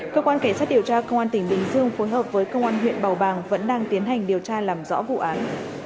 cơ quan cảnh sát điều tra công an tỉnh bình dương phối hợp với công an huyện bầu bàng vẫn đang tiến hành điều tra làm rõ vụ án